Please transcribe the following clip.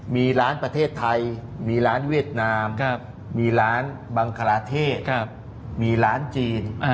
มีร้านประเทศไทยมีร้านเวียดนามมีร้านบังคลาเทศมีร้านจีน